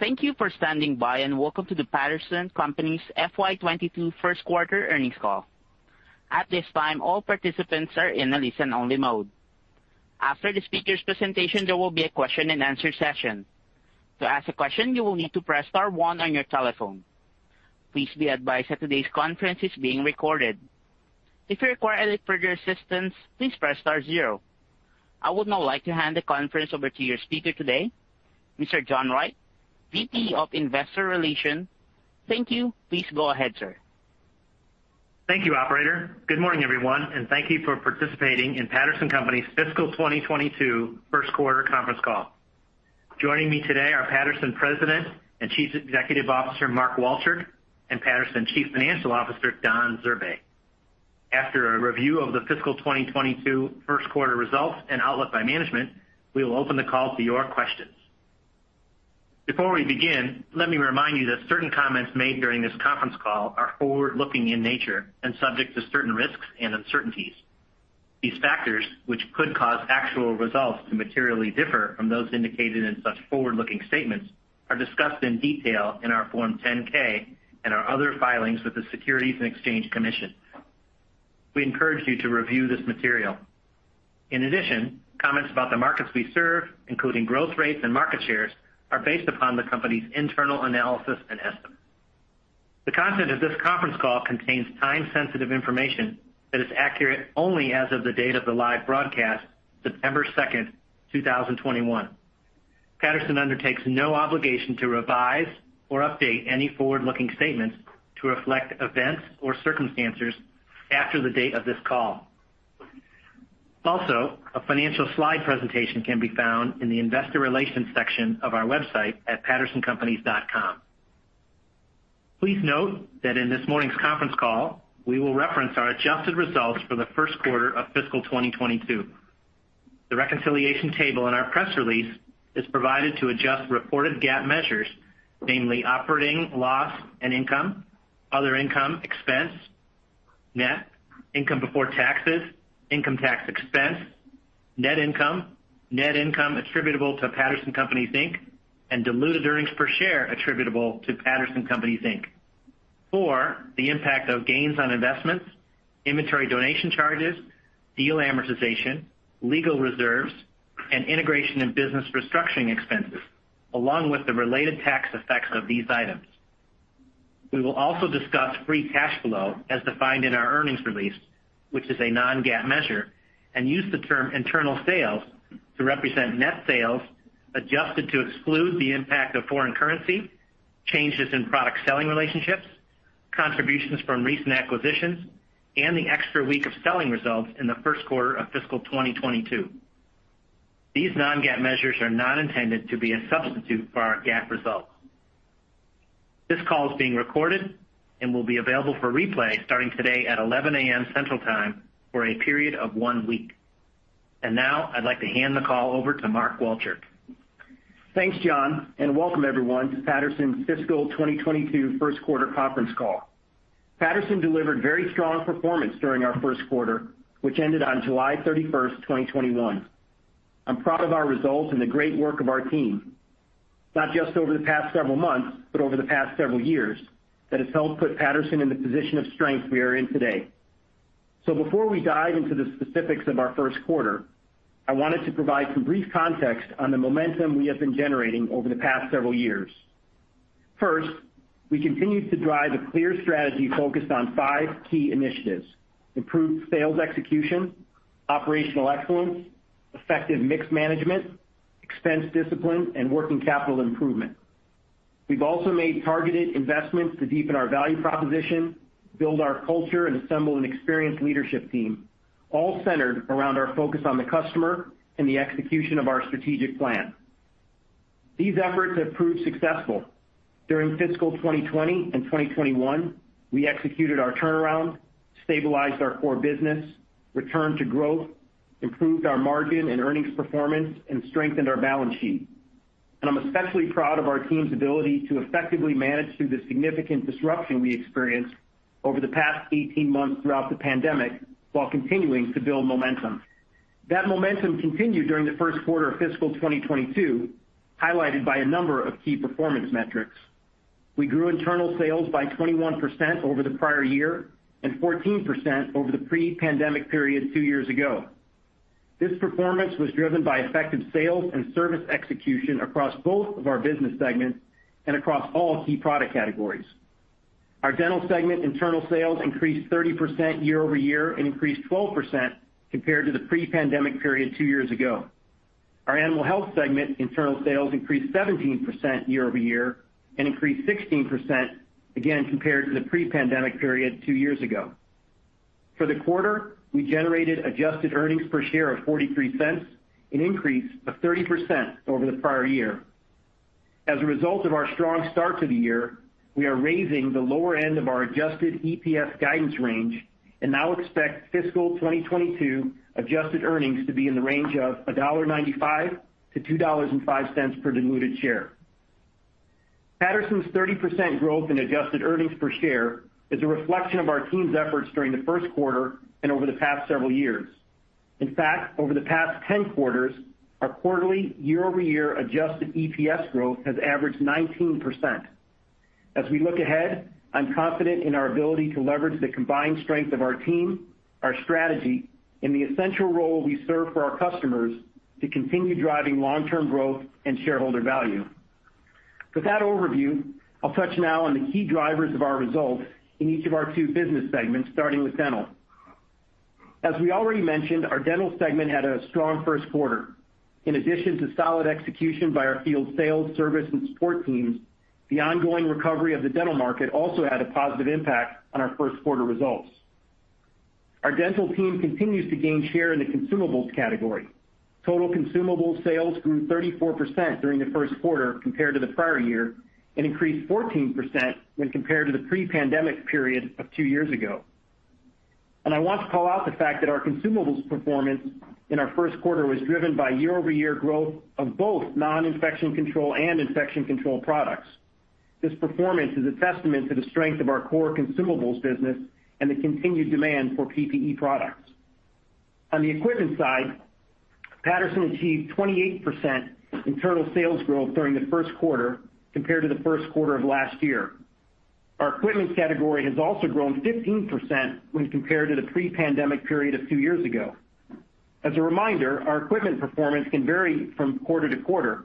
Thank you for standing by, and welcome to the Patterson Companies' FY 2022 first quarter earnings call. At this time, all participants are in a listen-only mode. After the speakers' presentation, there will be a question and answer session. To ask a question, you will need to press star one on your telephone. Please be advised that today's conference is being recorded. If you require any further assistance, please press star zero. I would now like to hand the conference over to your speaker today, Mr. John Wright, VP of Investor Relations. Thank you. Please go ahead, sir. Thank you, operator. Good morning, everyone, and thank you for participating in Patterson Companies' fiscal 2022 first quarter conference call. Joining me today are Patterson President and Chief Executive Officer, Mark Walchirk, and Patterson Chief Financial Officer, Don Zurbay. After a review of the fiscal 2022 first quarter results and outlook by management, we will open the call to your questions. Before we begin, let me remind you that certain comments made during this conference call are forward-looking in nature and subject to certain risks and uncertainties. These factors, which could cause actual results to materially differ from those indicated in such forward-looking statements, are discussed in detail in our Form 10-K and our other filings with the Securities and Exchange Commission. We encourage you to review this material. In addition, comments about the markets we serve, including growth rates and market shares, are based upon the company's internal analysis and estimates. The content of this conference call contains time-sensitive information that is accurate only as of the date of the live broadcast, September 2nd, 2021. Patterson undertakes no obligation to revise or update any forward-looking statements to reflect events or circumstances after the date of this call. A financial slide presentation can be found in the investor relations section of our website at pattersoncompanies.com. Please note that in this morning's conference call, we will reference our adjusted results for the first quarter of fiscal 2022. The reconciliation table in our press release is provided to adjust reported GAAP measures, namely operating loss and income, other income expense, net income before taxes, income tax expense, net income, net income attributable to Patterson Companies, Inc., and diluted earnings per share attributable to Patterson Companies, Inc., for the impact of gains on investments, inventory donation charges, deal amortization, legal reserves, and integration and business restructuring expenses, along with the related tax effects of these items. We will also discuss free cash flow as defined in our earnings release, which is a non-GAAP measure, and use the term internal sales to represent net sales adjusted to exclude the impact of foreign currency, changes in product selling relationships, contributions from recent acquisitions, and the extra week of selling results in the first quarter of fiscal 2022. These non-GAAP measures are not intended to be a substitute for our GAAP results. This call is being recorded and will be available for replay starting today at 11:00 A.M. Central Time for a period of one week. Now I'd like to hand the call over to Mark Walchirk. Thanks, John Wright, and welcome everyone to Patterson's fiscal 2022 first quarter conference call. Patterson delivered very strong performance during our first quarter, which ended on July 31st, 2021. I'm proud of our results and the great work of our team, not just over the past several months, but over the past several years, that has helped put Patterson in the position of strength we are in today. Before we dive into the specifics of our first quarter, I wanted to provide some brief context on the momentum we have been generating over the past several years. First, we continued to drive a clear strategy focused on five key initiatives: improved sales execution, operational excellence, effective mix management, expense discipline, and working capital improvement. We've also made targeted investments to deepen our value proposition, build our culture, and assemble an experienced leadership team, all centered around our focus on the customer and the execution of our strategic plan. These efforts have proved successful. During fiscal 2020 and 2021, we executed our turnaround, stabilized our core business, returned to growth, improved our margin and earnings performance, and strengthened our balance sheet. I'm especially proud of our team's ability to effectively manage through the significant disruption we experienced over the past 18 months throughout the pandemic while continuing to build momentum. That momentum continued during the first quarter of fiscal 2022, highlighted by a number of key performance metrics. We grew internal sales by 21% over the prior year and 14% over the pre-pandemic period two years ago. This performance was driven by effective sales and service execution across both of our business segments and across all key product categories. Our dental segment internal sales increased 30% year-over-year and increased 12% compared to the pre-pandemic period two years ago. Our animal health segment internal sales increased 17% year-over-year and increased 16%, again, compared to the pre-pandemic period two years ago. For the quarter, we generated adjusted EPS of $0.43, an increase of 30% over the prior year. As a result of our strong start to the year, we are raising the lower end of our adjusted EPS guidance range and now expect fiscal 2022 adjusted earnings to be in the range of $1.95-$2.05 per diluted share. Patterson's 30% growth in adjusted earnings per share is a reflection of our team's efforts during the first quarter and over the past several years. In fact, over the past 10 quarters, our quarterly year-over-year adjusted EPS growth has averaged 19%. As we look ahead, I'm confident in our ability to leverage the combined strength of our team, our strategy, and the essential role we serve for our customers to continue driving long-term growth and shareholder value. With that overview, I'll touch now on the key drivers of our results in each of our two business segments, starting with Dental. As we already mentioned, our Dental segment had a strong first quarter. In addition to solid execution by our field sales, service, and support teams, the ongoing recovery of the dental market also had a positive impact on our first quarter results. Our dental team continues to gain share in the consumables category. Total consumables sales grew 34% during the first quarter compared to the prior year and increased 14% when compared to the pre-pandemic period of two years ago. I want to call out the fact that our consumables performance in our first quarter was driven by year-over-year growth of both non-infection control and infection control products. This performance is a testament to the strength of our core consumables business and the continued demand for PPE products. On the equipment side, Patterson achieved 28% internal sales growth during the first quarter compared to the first quarter of last year. Our equipment category has also grown 15% when compared to the pre-pandemic period of two years ago. As a reminder, our equipment performance can vary from quarter to quarter,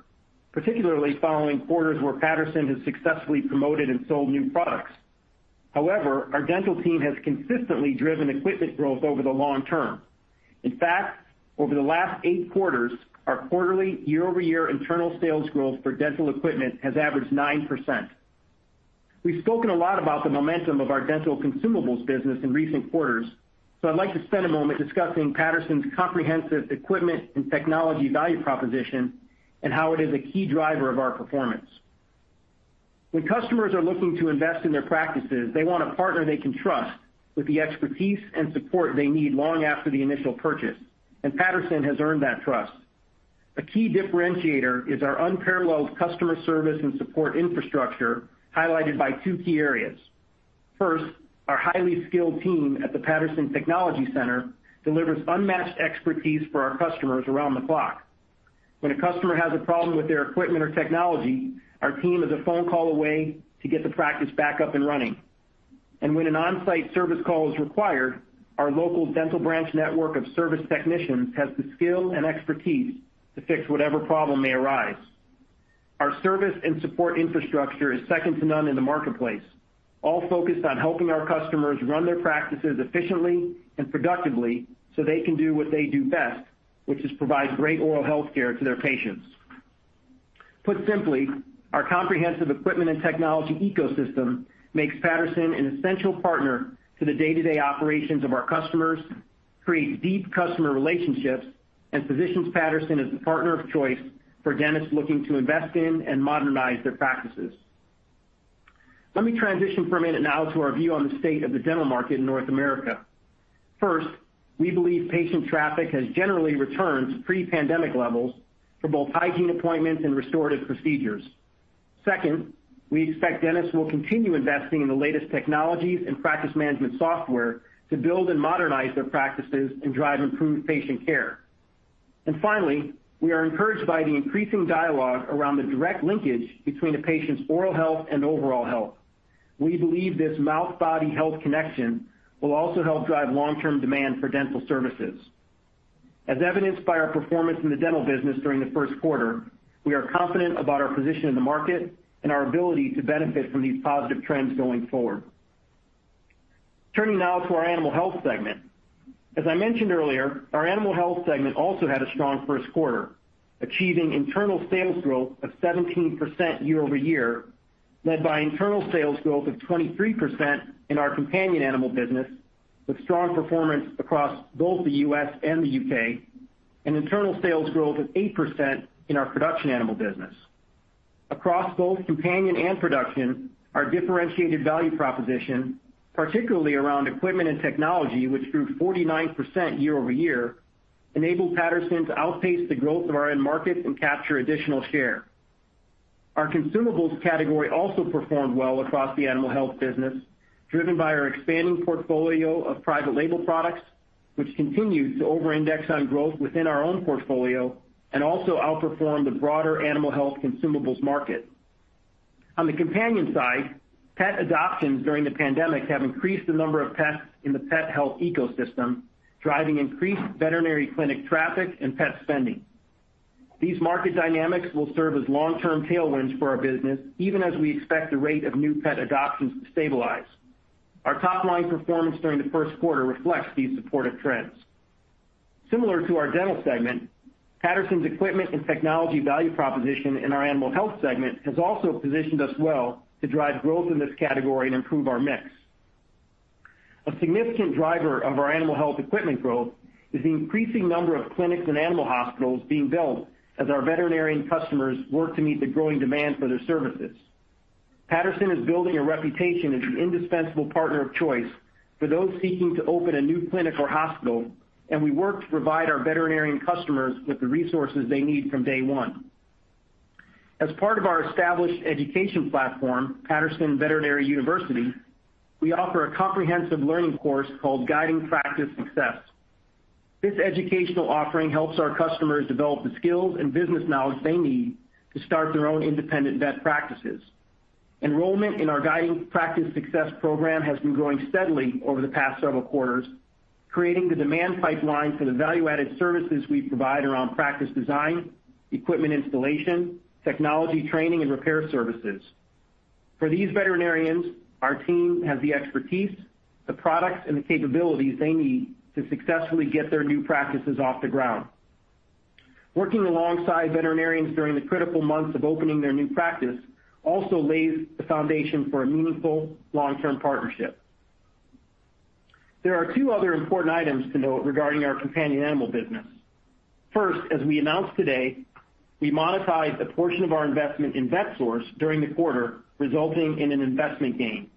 particularly following quarters where Patterson has successfully promoted and sold new products. However, our dental team has consistently driven equipment growth over the long term. In fact, over the last eight quarters, our quarterly year-over-year internal sales growth for dental equipment has averaged 9%. We've spoken a lot about the momentum of our dental consumables business in recent quarters, so I'd like to spend a moment discussing Patterson's comprehensive equipment and technology value proposition and how it is a key driver of our performance. When customers are looking to invest in their practices, they want a partner they can trust with the expertise and support they need long after the initial purchase. Patterson has earned that trust. A key differentiator is our unparalleled customer service and support infrastructure, highlighted by two key areas. First, our highly skilled team at the Patterson Technology Center delivers unmatched expertise for our customers around the clock. When a customer has a problem with their equipment or technology, our team is a phone call away to get the practice back up and running. When an on-site service call is required, our local dental branch network of service technicians has the skill and expertise to fix whatever problem may arise. Our service and support infrastructure is second to none in the marketplace, all focused on helping our customers run their practices efficiently and productively so they can do what they do best, which is provide great oral health care to their patients. Put simply, our comprehensive equipment and technology ecosystem makes Patterson an essential partner to the day-to-day operations of our customers, creates deep customer relationships, and positions Patterson as the partner of choice for dentists looking to invest in and modernize their practices. Let me transition for a minute now to our view on the state of the dental market in North America. First, we believe patient traffic has generally returned to pre-pandemic levels for both hygiene appointments and restorative procedures. Second, we expect dentists will continue investing in the latest technologies and practice management software to build and modernize their practices and drive improved patient care. Finally, we are encouraged by the increasing dialogue around the direct linkage between a patient's oral health and overall health. We believe this mouth-body health connection will also help drive long-term demand for dental services. As evidenced by our performance in the dental business during the first quarter, we are confident about our position in the market and our ability to benefit from these positive trends going forward. Turning now to our Animal Health Segment. As I mentioned earlier, our Animal Health Segment also had a strong first quarter, achieving internal sales growth of 17% year-over-year, led by internal sales growth of 23% in our companion animal business with strong performance across both the U.S. and the U.K., and internal sales growth of 8% in our production animal business. Across both companion and production, our differentiated value proposition, particularly around equipment and technology, which grew 49% year-over-year, enabled Patterson to outpace the growth of our end market and capture additional share. Our consumables category also performed well across the animal health business, driven by our expanding portfolio of private label products, which continued to over-index on growth within our own portfolio and also outperformed the broader animal health consumables market. On the companion side, pet adoptions during the pandemic have increased the number of pets in the pet health ecosystem, driving increased veterinary clinic traffic and pet spending. These market dynamics will serve as long-term tailwinds for our business, even as we expect the rate of new pet adoptions to stabilize. Our top-line performance during the first quarter reflects these supportive trends. Similar to our Dental segment, Patterson's equipment and technology value proposition in our Animal Health segment has also positioned us well to drive growth in this category and improve our mix. A significant driver of our Animal Health equipment growth is the increasing number of clinics and animal hospitals being built as our veterinarian customers work to meet the growing demand for their services. Patterson is building a reputation as an indispensable partner of choice. For those seeking to open a new clinic or hospital, and we work to provide our veterinarian customers with the resources they need from day one. As part of our established education platform, Patterson Veterinary Academy, we offer a comprehensive learning course called Guiding Practice Success. This educational offering helps our customers develop the skills and business knowledge they need to start their own independent vet practices. Enrollment in our Guiding Practice Success program has been growing steadily over the past several quarters, creating the demand pipeline for the value-added services we provide around practice design, equipment installation, technology training, and repair services. For these veterinarians, our team has the expertise, the products, and the capabilities they need to successfully get their new practices off the ground. Working alongside veterinarians during the critical months of opening their new practice also lays the foundation for a meaningful long-term partnership. There are two other important items to note regarding our companion animal business. First, as we announced today, we monetized a portion of our investment in Vetsource during the quarter, resulting in an investment gain.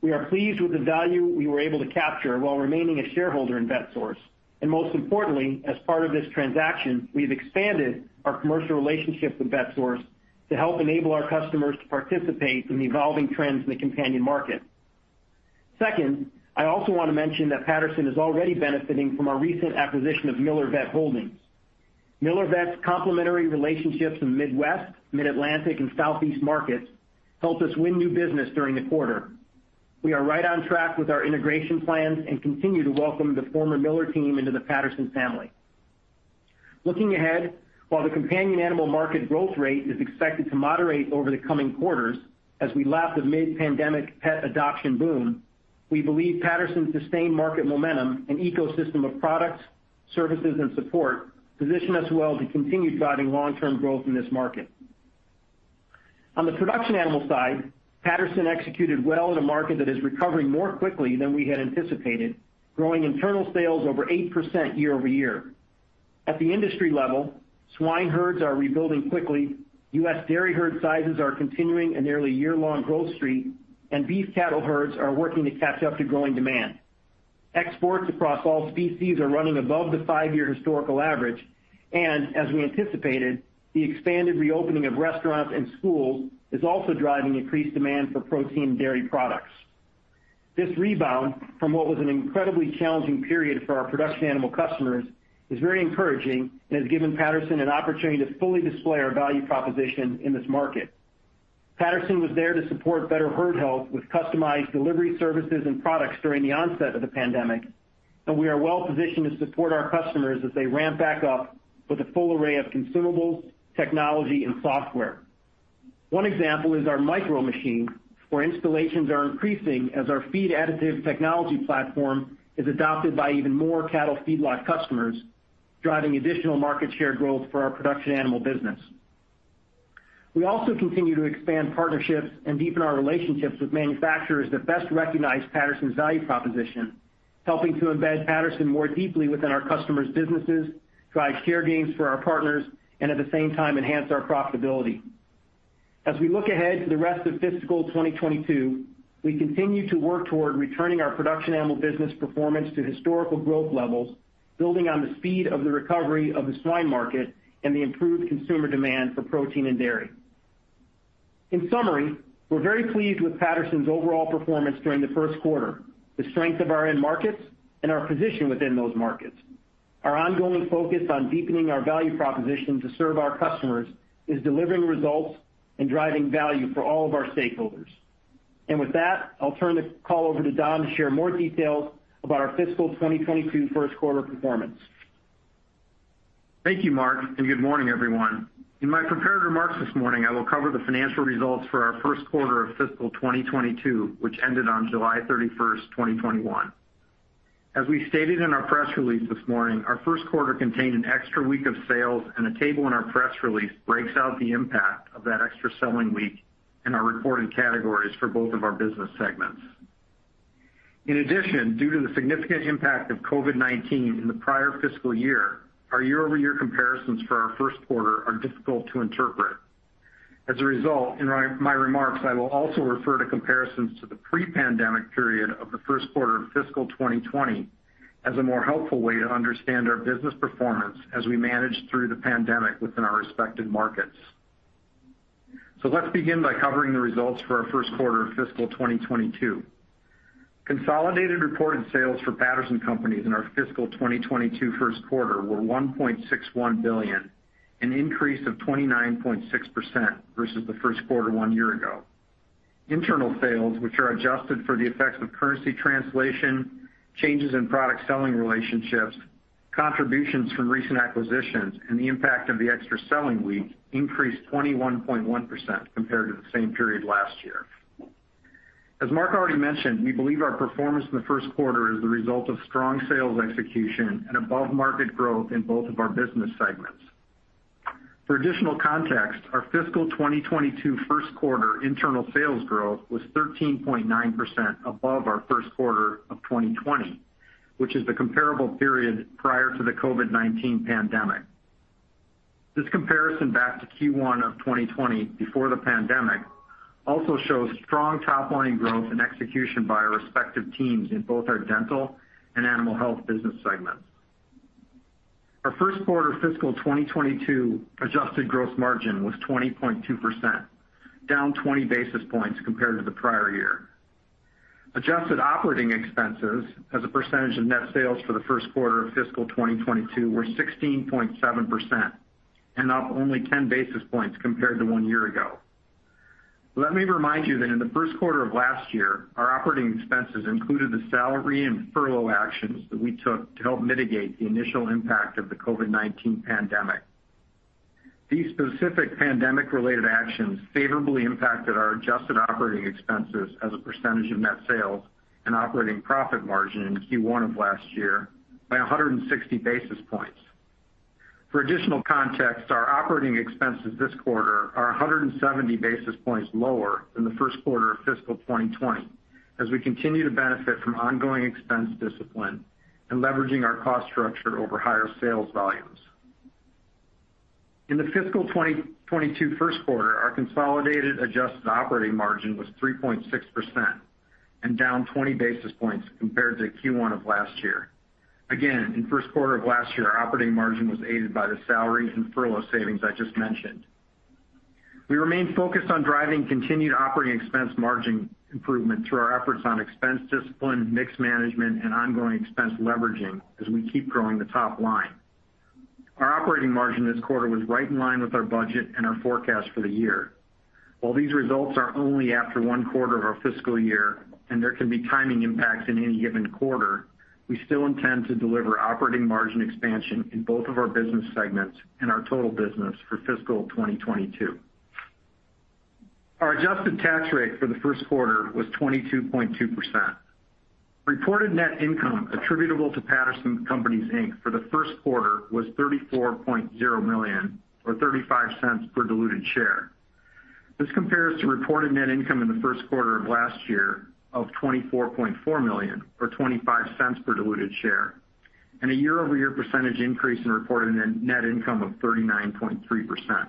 We are pleased with the value we were able to capture while remaining a shareholder in Vetsource. Most importantly, as part of this transaction, we've expanded our commercial relationship with Vetsource to help enable our customers to participate in the evolving trends in the companion market. Second, I also want to mention that Patterson is already benefiting from our recent acquisition of Miller Vet Holdings. Miller Vet's complementary relationships in Midwest, Mid-Atlantic, and Southeast markets helped us win new business during the quarter. We are right on track with our integration plans and continue to welcome the former Miller team into the Patterson family. Looking ahead, while the companion animal market growth rate is expected to moderate over the coming quarters as we lap the mid-pandemic pet adoption boom, we believe Patterson's sustained market momentum and ecosystem of products, services, and support position us well to continue driving long-term growth in this market. On the production animal side, Patterson executed well in a market that is recovering more quickly than we had anticipated, growing internal sales over 8% year-over-year. At the industry level, swine herds are rebuilding quickly, U.S. dairy herd sizes are continuing a nearly year-long growth streak, and beef cattle herds are working to catch up to growing demand. Exports across all species are running above the five-year historical average, and, as we anticipated, the expanded reopening of restaurants and schools is also driving increased demand for protein and dairy products. This rebound from what was an incredibly challenging period for our production animal customers is very encouraging and has given Patterson an opportunity to fully display our value proposition in this market. Patterson was there to support better herd health with customized delivery services and products during the onset of the pandemic, and we are well-positioned to support our customers as they ramp back up with a full array of consumables, technology, and software. One example is our Micro-Machine, where installations are increasing as our feed additive technology platform is adopted by even more cattle feedlot customers, driving additional market share growth for our production animal business. We also continue to expand partnerships and deepen our relationships with manufacturers that best recognize Patterson's value proposition, helping to embed Patterson more deeply within our customers' businesses, drive share gains for our partners, and at the same time, enhance our profitability. As we look ahead to the rest of fiscal 2022, we continue to work toward returning our production animal business performance to historical growth levels, building on the speed of the recovery of the swine market and the improved consumer demand for protein and dairy. In summary, we're very pleased with Patterson's overall performance during the first quarter, the strength of our end markets, and our position within those markets. Our ongoing focus on deepening our value proposition to serve our customers is delivering results and driving value for all of our stakeholders. With that, I'll turn the call over to Don to share more details about our fiscal 2022 first quarter performance. Thank you, Mark, and good morning, everyone. In my prepared remarks this morning, I will cover the financial results for our first quarter of fiscal 2022, which ended on July 31st, 2021. As we stated in our press release this morning, our first quarter contained an extra week of sales, and a table in our press release breaks out the impact of that extra selling week in our reported categories for both of our business segments. In addition, due to the significant impact of COVID-19 in the prior fiscal year, our year-over-year comparisons for our first quarter are difficult to interpret. As a result, in my remarks, I will also refer to comparisons to the pre-pandemic period of the first quarter of fiscal 2020 as a more helpful way to understand our business performance as we manage through the pandemic within our respective markets. Let's begin by covering the results for our first quarter of fiscal 2022. Consolidated reported sales for Patterson Companies in our fiscal 2022 first quarter were $1.61 billion, an increase of 29.6% versus the first quarter one year ago. Internal sales, which are adjusted for the effects of currency translation, changes in product selling relationships, contributions from recent acquisitions, and the impact of the extra selling week, increased 21.1% compared to the same period last year. As Mark already mentioned, we believe our performance in the first quarter is the result of strong sales execution and above-market growth in both of our business segments. For additional context, our fiscal 2022 first quarter internal sales growth was 13.9% above our first quarter of 2020, which is the comparable period prior to the COVID-19 pandemic. This comparison back to Q1 of 2020 before the pandemic also shows strong top-line growth and execution by our respective teams in both our Dental and Animal Health business segments. Our first quarter fiscal 2022 adjusted gross margin was 20.2%, down 20 basis points compared to the prior year. Adjusted operating expenses as a percentage of net sales for the first quarter of fiscal 2022 were 16.7%, and up only 10 basis points compared to one year ago. Let me remind you that in the first quarter of last year, our operating expenses included the salary and furlough actions that we took to help mitigate the initial impact of the COVID-19 pandemic. These specific pandemic-related actions favorably impacted our adjusted operating expenses as a percentage of net sales and operating profit margin in Q1 of last year by 160 basis points. For additional context, our operating expenses this quarter are 170 basis points lower than the first quarter of fiscal 2020, as we continue to benefit from ongoing expense discipline and leveraging our cost structure over higher sales volumes. In the fiscal 2022 first quarter, our consolidated adjusted operating margin was 3.6% and down 20 basis points compared to Q1 of last year. Again, in the first quarter of last year, our operating margin was aided by the salary and furlough savings I just mentioned. We remain focused on driving continued operating expense margin improvement through our efforts on expense discipline, mix management, and ongoing expense leveraging as we keep growing the top line. Our operating margin this quarter was right in line with our budget and our forecast for the year. While these results are only after one quarter of our fiscal year, and there can be timing impacts in any given quarter, we still intend to deliver operating margin expansion in both of our business segments and our total business for fiscal 2022. Our adjusted tax rate for the first quarter was 22.2%. Reported net income attributable to Patterson Companies, Inc., for the first quarter was $34.0 million, or $0.35 per diluted share. This compares to reported net income in the first quarter of last year of $24.4 million, or $0.25 per diluted share, and a year-over-year % increase in reported net income of 39.3%.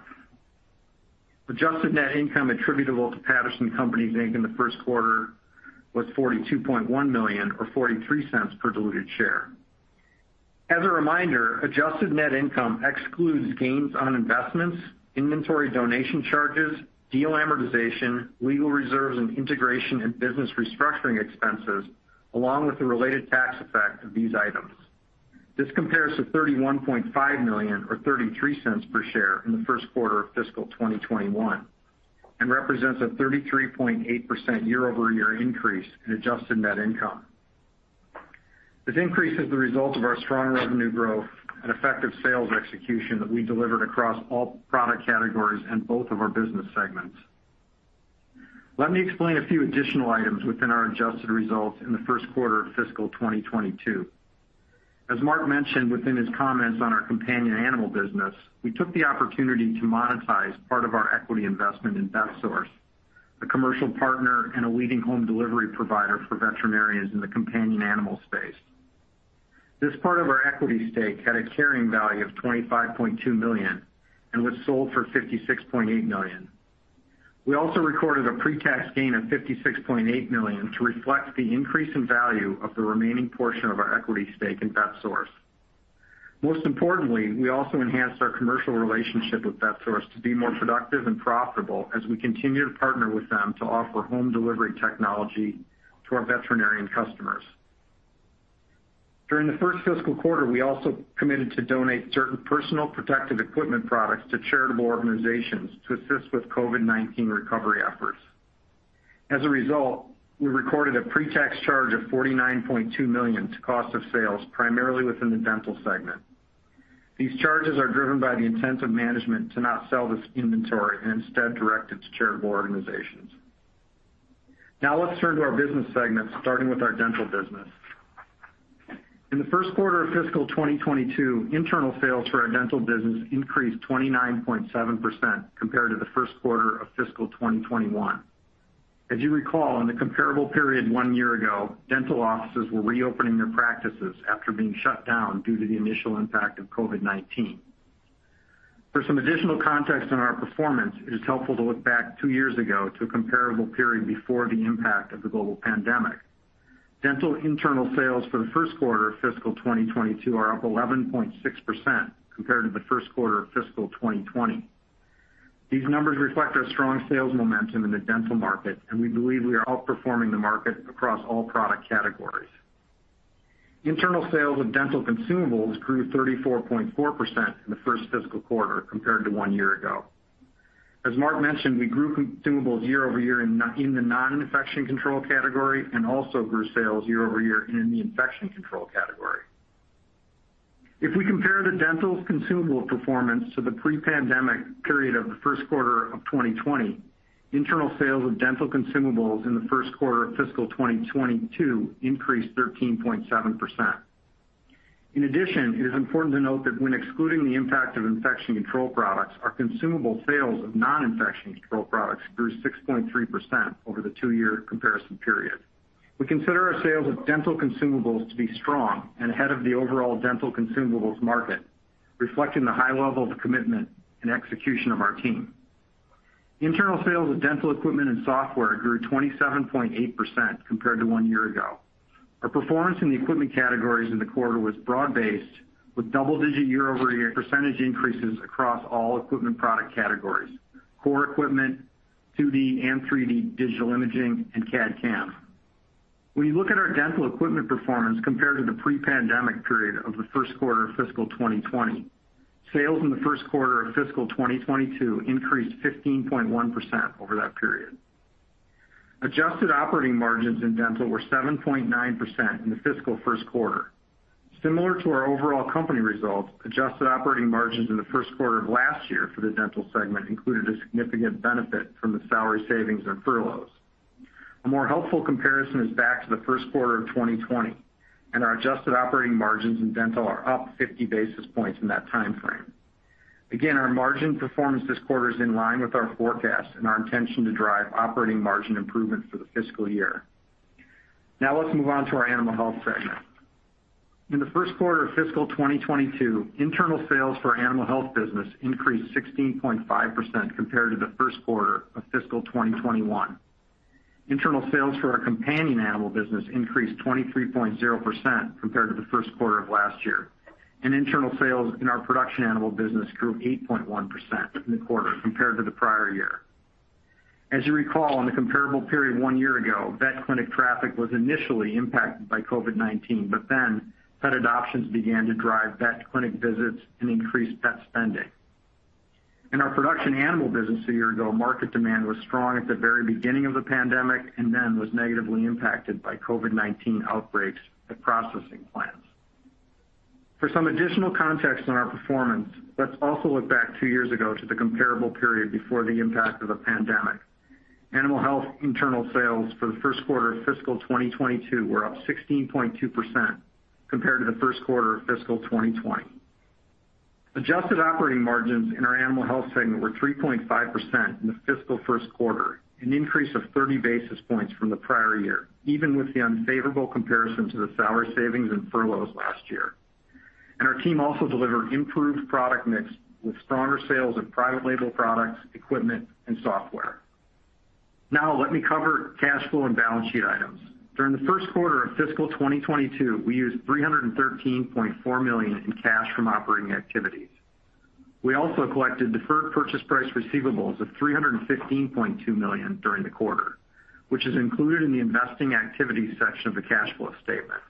Adjusted net income attributable to Patterson Companies, Inc., in the first quarter was $42.1 million, or $0.43 per diluted share. As a reminder, adjusted net income excludes gains on investments, inventory donation charges, deal amortization, legal reserves, and integration and business restructuring expenses, along with the related tax effect of these items. This compares to $31.5 million or $0.33 per share in the first quarter of fiscal 2021 and represents a 33.8% year-over-year increase in adjusted net income. This increase is the result of our strong revenue growth and effective sales execution that we delivered across all product categories in both of our business segments. Let me explain a few additional items within our adjusted results in the first quarter of fiscal 2022. As Mark mentioned within his comments on our companion animal business, we took the opportunity to monetize part of our equity investment in Vetsource, a commercial partner and a leading home delivery provider for veterinarians in the companion animal space. This part of our equity stake had a carrying value of $25.2 million and was sold for $56.8 million. We also recorded a pre-tax gain of $56.8 million to reflect the increase in value of the remaining portion of our equity stake in Vetsource. Most importantly, we also enhanced our commercial relationship with Vetsource to be more productive and profitable as we continue to partner with them to offer home delivery technology to our veterinarian customers. During the first fiscal quarter, we also committed to donate certain personal protective equipment products to charitable organizations to assist with COVID-19 recovery efforts. As a result, we recorded a pre-tax charge of $49.2 million to cost of sales, primarily within the Dental segment. These charges are driven by the intent of management to not sell this inventory and instead direct it to charitable organizations. Now let's turn to our business segments, starting with our Dental business. In the first quarter of fiscal 2022, internal sales for our Dental business increased 29.7% compared to the first quarter of fiscal 2021. As you recall, in the comparable period one year ago, dental offices were reopening their practices after being shut down due to the initial impact of COVID-19. For some additional context on our performance, it is helpful to look back two years ago to a comparable period before the impact of the global pandemic. Dental internal sales for the first quarter of fiscal 2022 are up 11.6% compared to the first quarter of fiscal 2020. These numbers reflect our strong sales momentum in the dental market, and we believe we are outperforming the market across all product categories. Internal sales of dental consumables grew 34.4% in the first fiscal quarter compared to one year ago. As Mark mentioned, we grew consumables year-over-year in the non-infection control category and also grew sales year-over-year in the infection control category. If we compare the dental consumable performance to the pre-pandemic period of the first quarter of 2020, internal sales of dental consumables in the first quarter of fiscal 2022 increased 13.7%. In addition, it is important to note that when excluding the impact of infection control products, our consumable sales of non-infection control products grew 6.3% over the two-year comparison period. We consider our sales of dental consumables to be strong and ahead of the overall dental consumables market, reflecting the high level of commitment and execution of our team. Internal sales of dental equipment and software grew 27.8% compared to one year ago. Our performance in the equipment categories in the quarter was broad-based, with double-digit year-over-year percentage increases across all equipment product categories, core equipment, 2D and 3D digital imaging, and CAD/CAM. When you look at our dental equipment performance compared to the pre-pandemic period of the first quarter of fiscal 2020, sales in the first quarter of fiscal 2022 increased 15.1% over that period. Adjusted operating margins in dental were 7.9% in the fiscal first quarter. Similar to our overall company results, adjusted operating margins in the first quarter of last year for the dental segment included a significant benefit from the salary savings and furloughs. A more helpful comparison is back to the first quarter of 2020, and our adjusted operating margins in dental are up 50 basis points in that timeframe. Again, our margin performance this quarter is in line with our forecast and our intention to drive operating margin improvements for the fiscal year. Now let's move on to our animal health segment. In the first quarter of fiscal 2022, internal sales for our animal health business increased 16.5% compared to the first quarter of fiscal 2021. Internal sales for our companion animal business increased 23.0% compared to the first quarter of last year. Internal sales in our production animal business grew 8.1% in the quarter compared to the prior year. As you recall, in the comparable period one year ago, vet clinic traffic was initially impacted by COVID-19, but then pet adoptions began to drive vet clinic visits and increased pet spending. In our production animal business a year ago, market demand was strong at the very beginning of the pandemic and then was negatively impacted by COVID-19 outbreaks at processing plants. For some additional context on our performance, let's also look back two years ago to the comparable period before the impact of the pandemic. Animal health internal sales for the first quarter of fiscal 2022 were up 16.2% compared to the first quarter of fiscal 2020. Adjusted operating margins in our animal health segment were 3.5% in the fiscal first quarter, an increase of 30 basis points from the prior year, even with the unfavorable comparison to the salary savings and furloughs last year. Our team also delivered improved product mix with stronger sales of private label products, equipment, and software. Now let me cover cash flow and balance sheet items. During the first quarter of fiscal 2022, we used $313.4 million in cash from operating activities. We also collected deferred purchase price receivables of $315.2 million during the quarter, which is included in the investing activities section of the cash flow statement.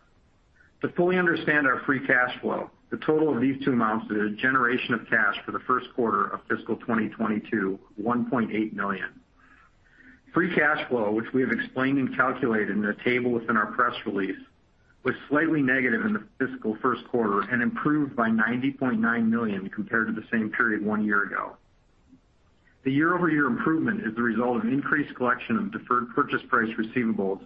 To fully understand our free cash flow, the total of these two amounts is a generation of cash for the first quarter of fiscal 2022, $1.8 million. Free cash flow, which we have explained and calculated in a table within our press release, was slightly negative in the fiscal first quarter and improved by $90.9 million compared to the same period one year ago. The year-over-year improvement is the result of increased collection of deferred purchase price receivables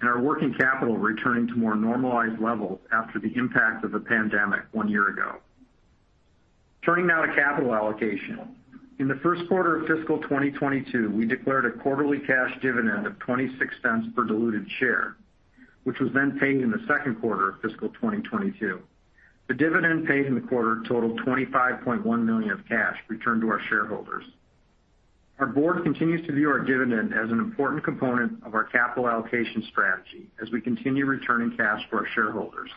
and our working capital returning to more normalized levels after the impact of the pandemic one year ago. Turning now to capital allocation. In the first quarter of fiscal 2022, we declared a quarterly cash dividend of $0.26 per diluted share, which was then paid in the second quarter of fiscal 2022. The dividend paid in the quarter totaled $25.1 million of cash returned to our shareholders. Our board continues to view our dividend as an important component of our capital allocation strategy as we continue returning cash to our shareholders.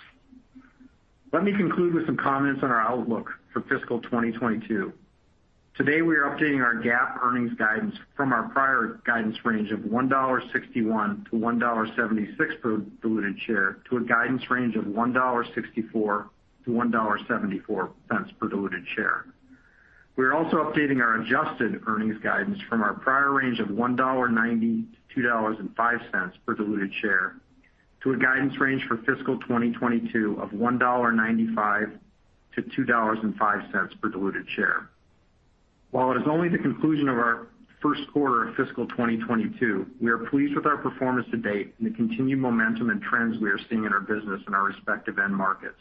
Let me conclude with some comments on our outlook for fiscal 2022. Today, we are updating our GAAP earnings guidance from our prior guidance range of $1.61-$1.76 per diluted share to a guidance range of $1.64-$1.74 per diluted share. We are also updating our adjusted earnings guidance from our prior range of $1.90-$2.05 per diluted share to a guidance range for fiscal 2022 of $1.95-$2.05 per diluted share. While it is only the conclusion of our first quarter of fiscal 2022, we are pleased with our performance to date and the continued momentum and trends we are seeing in our business and our respective end markets.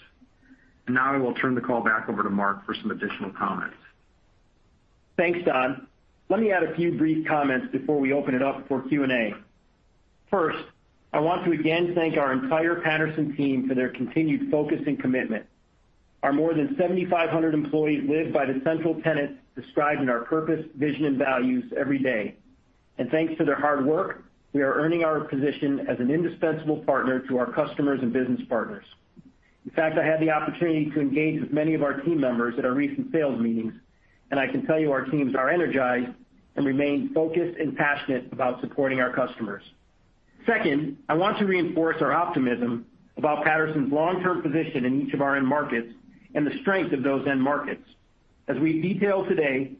Now I will turn the call back over to Mark for some additional comments. Thanks, Don. Let me add a few brief comments before we open it up for Q&A. I want to again thank our entire Patterson team for their continued focus and commitment. Our more than 7,500 employees live by the central tenets described in our purpose, vision, and values every day. Thanks to their hard work, we are earning our position as an indispensable partner to our customers and business partners. In fact, I had the opportunity to engage with many of our team members at our recent sales meetings, and I can tell you our teams are energized and remain focused and passionate about supporting our customers. I want to reinforce our optimism about Patterson's long-term position in each of our end markets and the strength of those end markets. As we detailed today,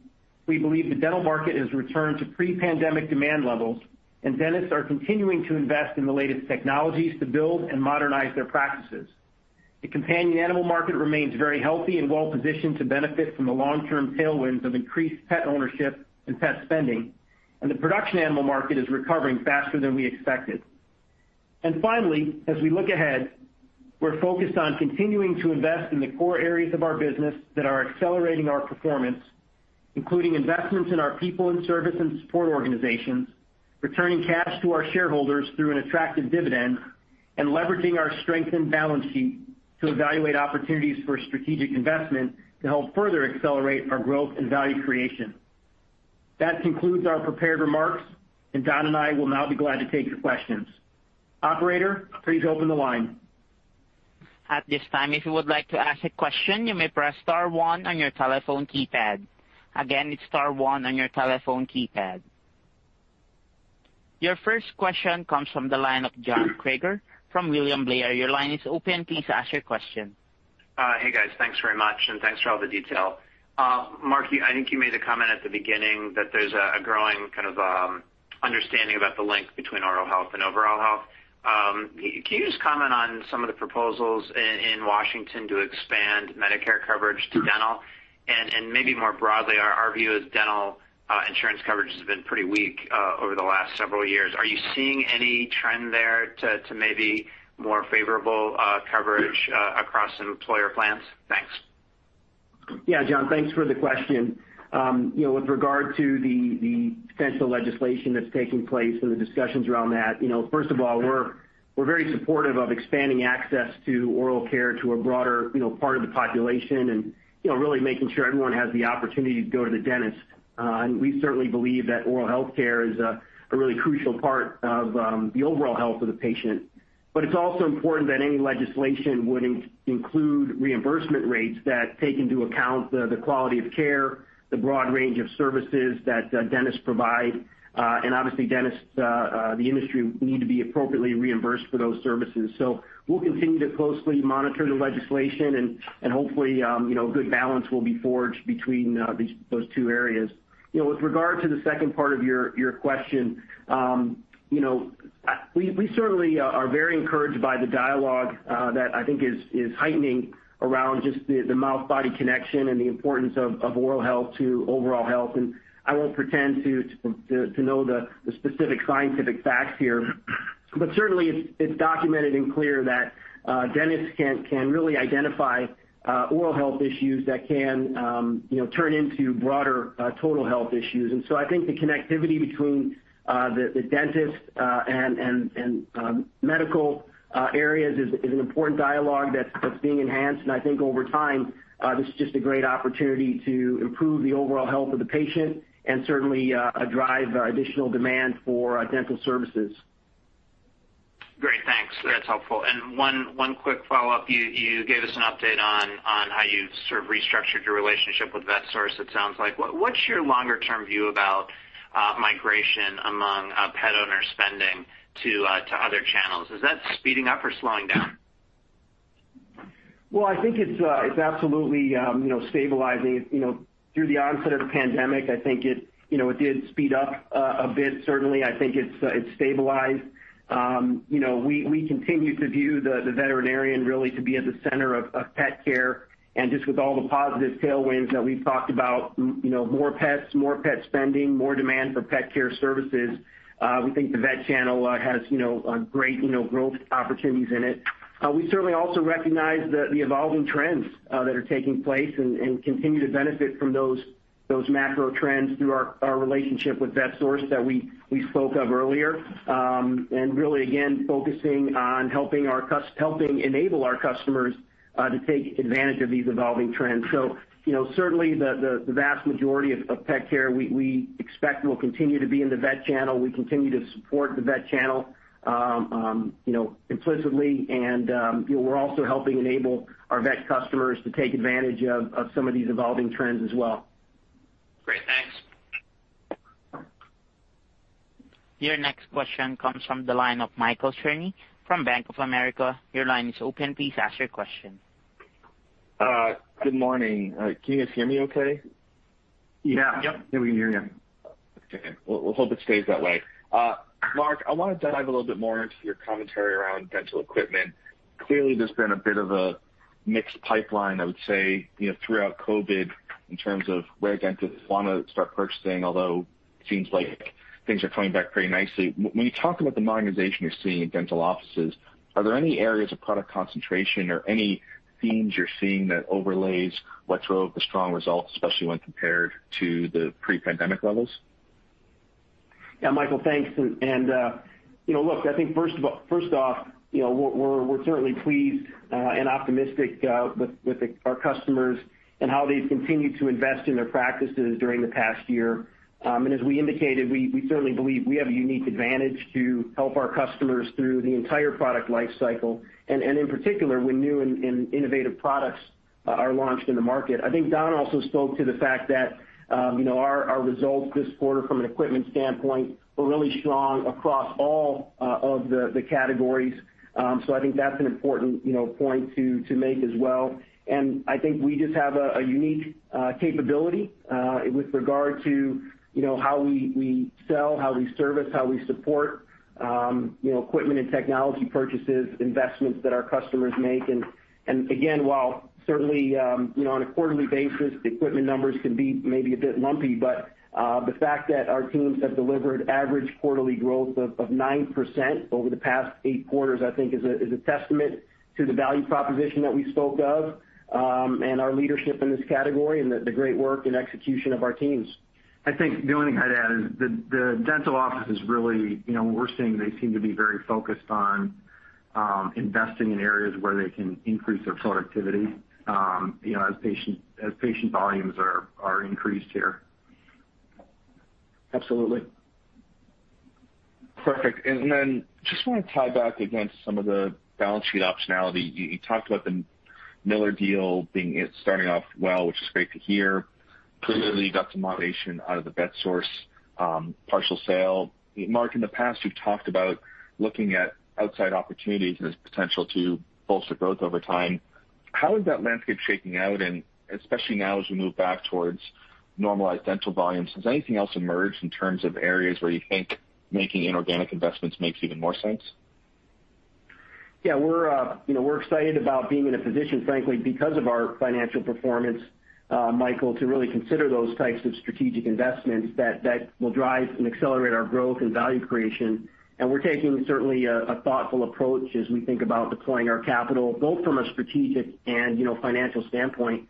we believe the dental market has returned to pre-pandemic demand levels, and dentists are continuing to invest in the latest technologies to build and modernize their practices. The companion animal market remains very healthy and well-positioned to benefit from the long-term tailwinds of increased pet ownership and pet spending, and the production animal market is recovering faster than we expected. Finally, as we look ahead, we're focused on continuing to invest in the core areas of our business that are accelerating our performance, including investments in our people in service and support organizations, returning cash to our shareholders through an attractive dividend, and leveraging our strengthened balance sheet to evaluate opportunities for strategic investment to help further accelerate our growth and value creation. That concludes our prepared remarks, and Don and I will now be glad to take your questions. Operator, please open the line. At this time if you would like to ask a question press star one on your telephone keypad, again star one on your telephone keypad. Your first question comes from the line of John Kreger from William Blair. Your line is open. Please ask your question. Hey, guys. Thanks very much, and thanks for all the detail. Mark, I think you made a comment at the beginning that there's a growing kind of understanding about the link between oral health and overall health. Can you just comment on some of the proposals in Washington to expand Medicare coverage to dental? Maybe more broadly, our view is dental insurance coverage has been pretty weak over the last several years. Are you seeing any trend there to maybe more favorable coverage across employer plans? Thanks. Yeah, John, thanks for the question. With regard to the potential legislation that's taking place and the discussions around that, first of all, we're very supportive of expanding access to oral care to a broader part of the population and really making sure everyone has the opportunity to go to the dentist. We certainly believe that oral health care is a really crucial part of the overall health of the patient. It's also important that any legislation would include reimbursement rates that take into account the quality of care, the broad range of services that dentists provide, and obviously, dentists, the industry, need to be appropriately reimbursed for those services. We'll continue to closely monitor the legislation, and hopefully, good balance will be forged between those two areas. With regard to the second part of your question, we certainly are very encouraged by the dialogue that I think is heightening around just the mouth-body connection and the importance of oral health to overall health. I won't pretend to know the specific scientific facts here, but certainly, it's documented and clear that dentists can really identify oral health issues that can turn into broader total health issues. I think the connectivity between the dentist and medical areas is an important dialogue that's being enhanced. I think over time, this is just a great opportunity to improve the overall health of the patient and certainly drive additional demand for dental services. Great. Thanks. That's helpful. One quick follow-up. You gave us an update on how you sort of restructured your relationship with Vetsource, it sounds like. What's your longer-term view about migration among pet owner spending to other channels? Is that speeding up or slowing down? Well, I think it's absolutely stabilizing. Through the onset of the pandemic, I think it did speed up a bit, certainly. I think it's stabilized. We continue to view the veterinarian really to be at the center of pet care. Just with all the positive tailwinds that we've talked about, more pets, more pet spending, more demand for pet care services, we think the vet channel has great growth opportunities in it. We certainly also recognize the evolving trends that are taking place and continue to benefit from those macro trends through our relationship with Vetsource that we spoke of earlier. Really, again, focusing on helping enable our customers to take advantage of these evolving trends. Certainly, the vast majority of pet care, we expect, will continue to be in the vet channel. We continue to support the vet channel implicitly, and we're also helping enable our vet customers to take advantage of some of these evolving trends as well. Great, thanks. Your next question comes from the line of Michael Cherny from Bank of America. Your line is open. Please ask your question. Good morning. Can you guys hear me okay? Yeah. Yep. We can hear you. Okay. Well, we'll hope it stays that way. Mark, I want to dive a little bit more into your commentary around dental equipment. Clearly, there's been a bit of a mixed pipeline, I would say, throughout COVID-19 in terms of where dentists want to start purchasing, although it seems like things are coming back pretty nicely. When you talk about the modernization you're seeing in dental offices, are there any areas of product concentration or any themes you're seeing that overlays what drove the strong results, especially when compared to the pre-pandemic levels? Yeah, Michael, thanks. Look, I think first off, we're certainly pleased and optimistic with our customers and how they've continued to invest in their practices during the past year. As we indicated, we certainly believe we have a unique advantage to help our customers through the entire product life cycle and in particular, when new and innovative products are launched in the market. I think Don also spoke to the fact that our results this quarter from an equipment standpoint were really strong across all of the categories. I think that's an important point to make as well. I think we just have a unique capability with regard to how we sell, how we service, how we support equipment and technology purchases, investments that our customers make. Again, while certainly, on a quarterly basis, equipment numbers can be maybe a bit lumpy. The fact that our teams have delivered average quarterly growth of 9% over the past eight quarters, I think, is a testament to the value proposition that we spoke of and our leadership in this category and the great work and execution of our teams. I think the only thing I'd add is the dental offices really, we're seeing they seem to be very focused on investing in areas where they can increase their productivity as patient volumes are increased here. Absolutely. Perfect. Just want to tie back against some of the balance sheet optionality. You talked about the Miller deal starting off well, which is great to hear. Clearly got some moderation out of the Vetsource partial sale. Mark, in the past, you've talked about looking at outside opportunities and its potential to bolster growth over time. How is that landscape shaking out, and especially now as we move back towards normalized dental volumes, has anything else emerged in terms of areas where you think making inorganic investments makes even more sense? Yeah, we're excited about being in a position, frankly, because of our financial performance, Michael, to really consider those types of strategic investments that will drive and accelerate our growth and value creation. We're taking certainly a thoughtful approach as we think about deploying our capital, both from a strategic and financial standpoint.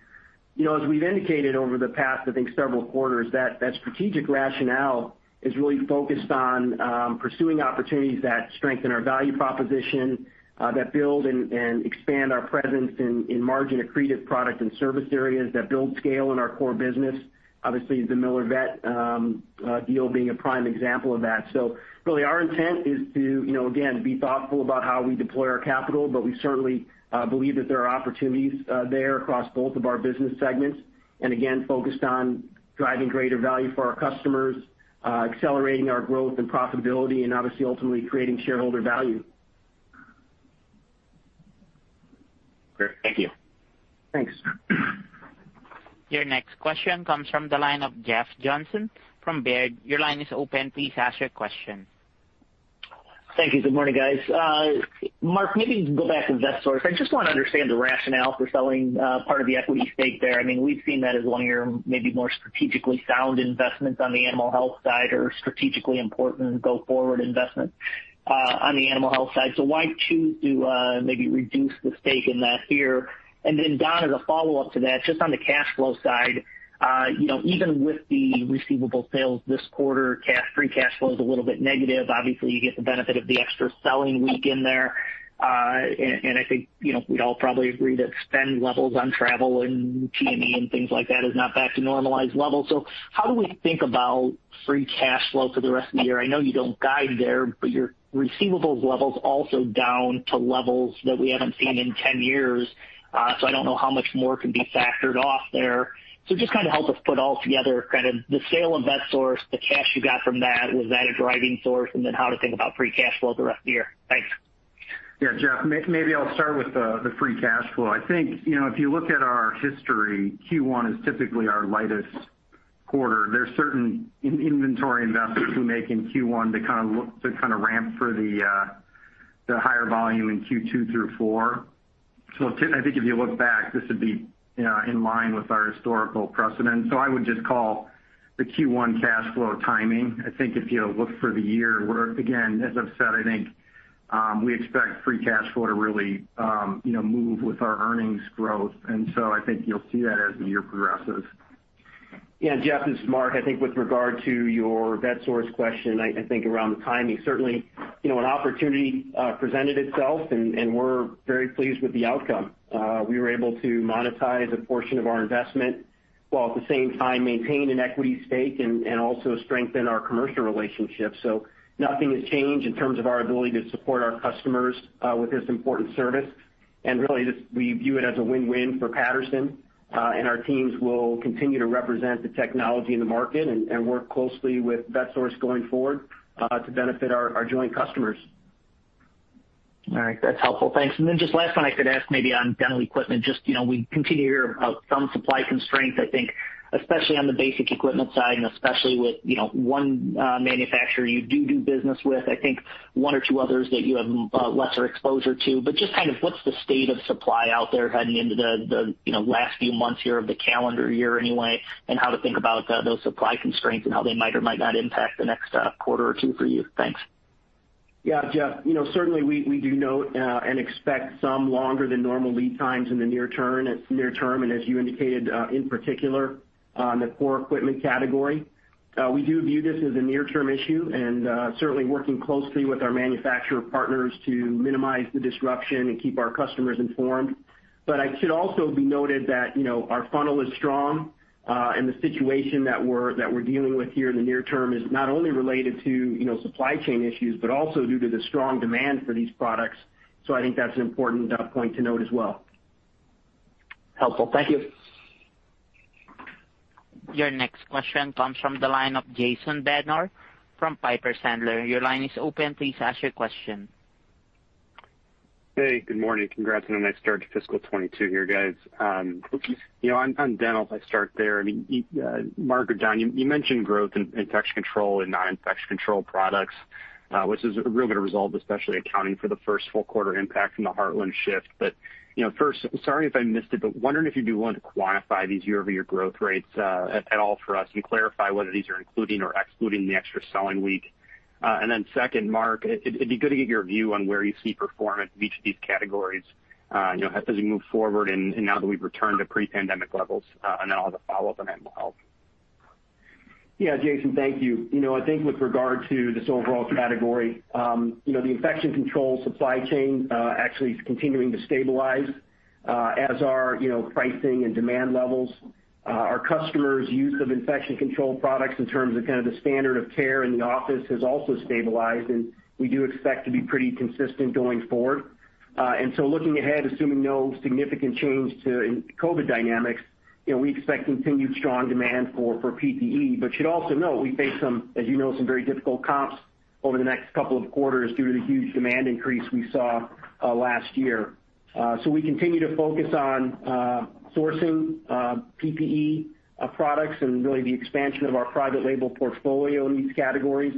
As we've indicated over the past, I think several quarters, that strategic rationale is really focused on pursuing opportunities that strengthen our value proposition, that build and expand our presence in margin-accretive product and service areas, that build scale in our core business. Obviously, the Miller Vet deal being a prime example of that. Really our intent is to, again, be thoughtful about how we deploy our capital, but we certainly believe that there are opportunities there across both of our business segments. Again, focused on driving greater value for our customers, accelerating our growth and profitability, and obviously ultimately creating shareholder value. Great. Thank you. Thanks. Your next question comes from the line of Jeff Johnson from Baird. Your line is open. Please ask your question. Thank you. Good morning, guys. Mark, maybe go back to Vetsource. I just want to understand the rationale for selling part of the equity stake there. We've seen that as one of your maybe more strategically sound investments on the animal health side, or strategically important go-forward investment on the animal health side. Why choose to maybe reduce the stake in that here? Don, as a follow-up to that, just on the cash flow side. Even with the receivable sales this quarter, free cash flow is a little bit negative. Obviously, you get the benefit of the extra selling week in there. I think, we'd all probably agree that spend levels on travel and T&E and things like that is not back to normalized levels. How do we think about free cash flow for the rest of the year? I know you don't guide there, but your receivables level's also down to levels that we haven't seen in 10 years. I don't know how much more can be factored off there. Just kind of help us put all together kind of the sale of Vetsource, the cash you got from that, was that a driving source? How to think about free cash flow the rest of the year. Thanks. Jeff, maybe I'll start with the free cash flow. I think, if you look at our history, Q1 is typically our lightest quarter. There's certain inventory investments we make in Q1 to kind of ramp for the higher volume in Q2 through four. I think if you look back, this would be in line with our historical precedent. I would just call the Q1 cash flow timing. I think if you look for the year, we're again, as I've said, I think we expect free cash flow to really move with our earnings growth. I think you'll see that as the year progresses. Yeah, Jeff, this is Mark. I think with regard to your Vetsource question, I think around the timing, certainly, an opportunity presented itself, and we're very pleased with the outcome. We were able to monetize a portion of our investment while at the same time maintain an equity stake and also strengthen our commercial relationship. Nothing has changed in terms of our ability to support our customers with this important service. Really, we view it as a win-win for Patterson. Our teams will continue to represent the technology in the market and work closely with Vetsource going forward, to benefit our joint customers. All right. That's helpful. Thanks. Just last one I could ask maybe on dental equipment, just we continue to hear about some supply constraints, I think especially on the basic equipment side and especially with one manufacturer you do business with, I think one or two others that you have lesser exposure to. Just what's the state of supply out there heading into the last few months here of the calendar year anyway, and how to think about those supply constraints and how they might or might not impact the next quarter or two for you? Thanks. Yeah, Jeff, certainly we do note and expect some longer than normal lead times in the near term, and as you indicated, in particular, on the core equipment category. We do view this as a near-term issue and certainly working closely with our manufacturer partners to minimize the disruption and keep our customers informed. It should also be noted that our funnel is strong. The situation that we're dealing with here in the near term is not only related to supply chain issues, but also due to the strong demand for these products. I think that's an important point to note as well. Helpful. Thank you. Your next question comes from the line of Jason Bednar from Piper Sandler. Your line is open. Please ask your question. Hey, good morning. Congrats on a nice start to fiscal 2022 here, guys. On dental, if I start there. Mark or Don, you mentioned growth in infection control and non-infection control products, which is a really good result, especially accounting for the first full quarter impact from the Heartland shift. First, sorry if I missed it, but wondering if you do want to quantify these year-over-year growth rates at all for us and clarify whether these are including or excluding the extra selling week. Second, Mark, it'd be good to get your view on where you see performance in each of these categories as we move forward and now that we've returned to pre-pandemic levels. I'll have a follow-up on Animal Health. Yeah, Jason, thank you. I think with regard to this overall category, the infection control supply chain actually is continuing to stabilize, as are pricing and demand levels. Our customers' use of infection control products in terms of kind of the standard of care in the office has also stabilized, and we do expect to be pretty consistent going forward. Looking ahead, assuming no significant change to COVID dynamics, we expect continued strong demand for PPE. You should also know we face some, as you know, some very difficult comps over the next couple of quarters due to the huge demand increase we saw last year. We continue to focus on sourcing PPE products and really the expansion of our private label portfolio in these categories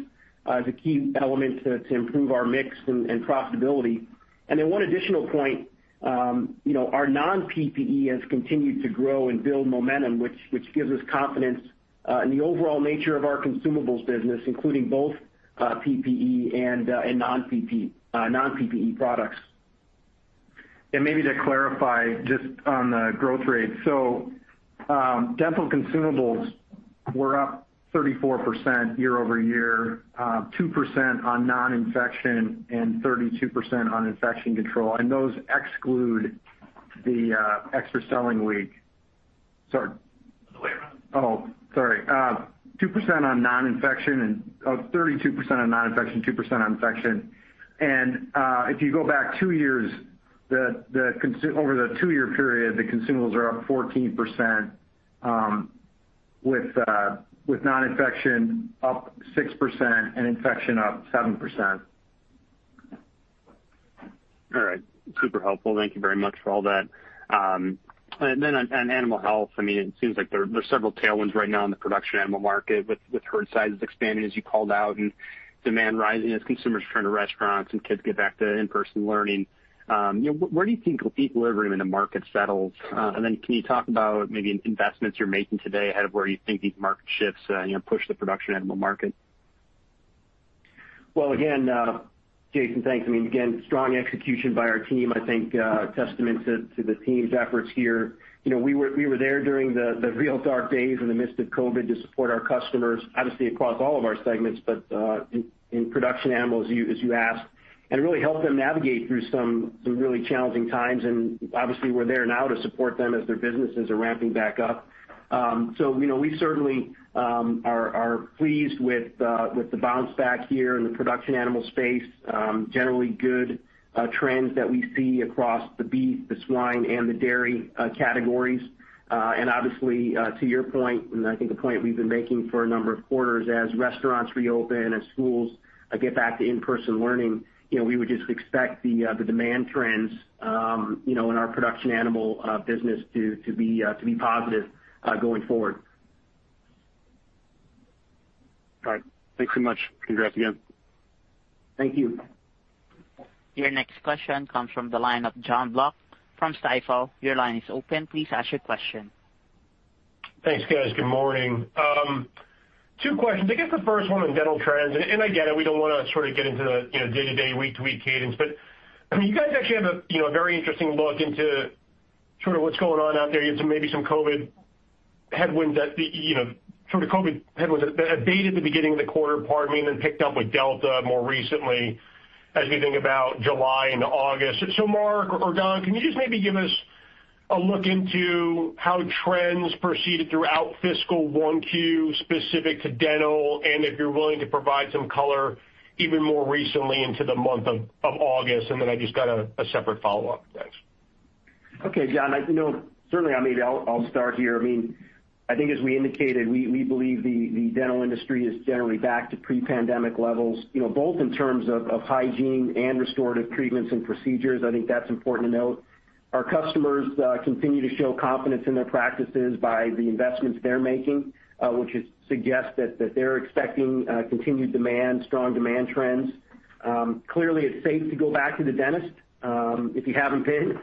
as a key element to improve our mix and profitability. One additional point, our non-PPE has continued to grow and build momentum, which gives us confidence in the overall nature of our consumables business, including both PPE and non-PPE products. Maybe to clarify just on the growth rate. Dental consumables were up 34% year-over-year, 2% on non-infection and 32% on infection control. Those exclude the extra selling week. Sorry. Other way around. Sorry. 32% on non-infection, 2% on infection. If you go back two years, over the two-year period, the consumables are up 14%, with non-infection up 6% and infection up 7%. All right. Super helpful. Thank you very much for all that. On animal health, it seems like there are several tailwinds right now in the production animal market with herd sizes expanding as you called out, demand rising as consumers return to restaurants and kids get back to in-person learning. Where do you think equilibrium in the market settles? Can you talk about maybe investments you're making today ahead of where you think these market shifts push the production animal market? Well, again, Jason, thanks. Strong execution by our team, I think, a testament to the team's efforts here. We were there during the real dark days in the midst of COVID to support our customers, obviously across all of our segments, but in production animals, as you asked, it really helped them navigate through some really challenging times. Obviously, we're there now to support them as their businesses are ramping back up. We certainly are pleased with the bounce back here in the production animal space. Generally good trends that we see across the beef, the swine, and the dairy categories. Obviously, to your point, and I think a point we've been making for a number of quarters, as restaurants reopen, as schools get back to in-person learning, we would just expect the demand trends in our production animal business to be positive going forward. All right. Thanks so much. Congrats again. Thank you. Your next question comes from the line of Jonathan Block from Stifel. Your line is open. Please ask your question. Thanks, guys. Good morning. Two questions. I guess the first one on dental trends, and I get it, we don't want to sort of get into the day-to-day, week-to-week cadence. You guys actually have a very interesting look into sort of what's going on out there. You had maybe some COVID headwinds that abated the beginning of the quarter, pardon me, and then picked up with Delta more recently as we think about July into August. Mark or Don, can you just maybe give us a look into how trends proceeded throughout fiscal 1Q specific to dental, and if you're willing to provide some color even more recently into the month of August? Then I've just got a separate follow-up. Thanks. Okay, John. Certainly, maybe I'll start here. I think as we indicated, we believe the dental industry is generally back to pre-pandemic levels both in terms of hygiene and restorative treatments and procedures. I think that's important to note. Our customers continue to show confidence in their practices by the investments they're making, which suggests that they're expecting continued demand, strong demand trends. Clearly, it's safe to go back to the dentist if you haven't been.